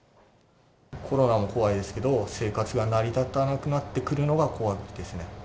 コロナも怖いですけど、生活が成り立たなくなってくるのが怖いですね。